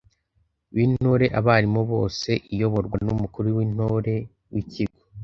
b’Intore (abarimu bose). Iyoborwa n’umukuru w’Intore w’ikigo